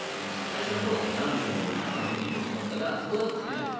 最初は南部のほうをたくさん攻めていこうと思ったがそこでは勝てないと。